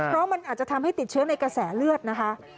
เพราะมันอาจจะทำให้ติดเชื้อในกระแสเลือดนะคะ